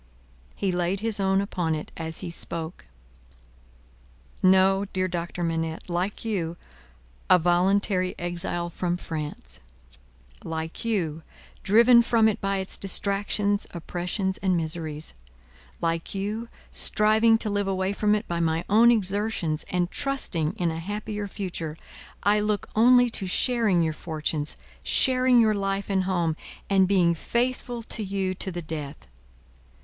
He laid his own upon it as he spoke. "No, dear Doctor Manette. Like you, a voluntary exile from France; like you, driven from it by its distractions, oppressions, and miseries; like you, striving to live away from it by my own exertions, and trusting in a happier future; I look only to sharing your fortunes, sharing your life and home, and being faithful to you to the death.